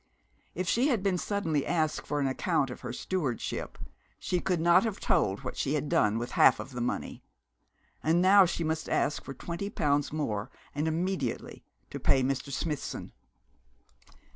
If she had been suddenly asked for an account of her stewardship she could not have told what she had done with half of the money. And now she must ask for twenty pounds more, and immediately, to pay Mr. Smithson.